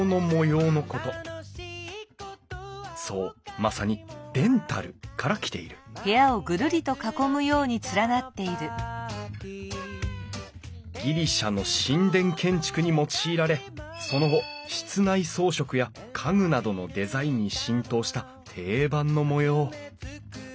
そうまさに「デンタル」から来ているギリシャの神殿建築に用いられその後室内装飾や家具などのデザインに浸透した定番の模様